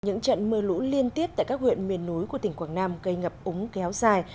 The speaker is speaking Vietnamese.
những trận mưa lũ liên tiếp tại các huyện miền núi của tỉnh quảng nam gây ngập úng kéo dài